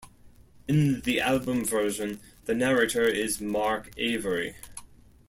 In the album version, the narrator is Mark Avery.